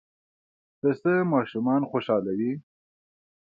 پسه ماشومان خوشحالوي.